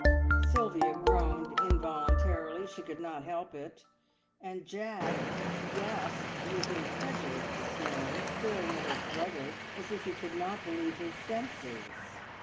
Sylvia groaned involuntarily; she could not help it, and Jack gasped with incredulous dismay, staring at his brother as if he could not believe his senses.